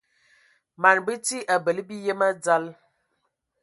Man bəti abələ biyəm a dzal.